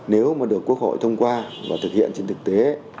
nếu mà được quốc hội thông qua và thực hiện trên thực tế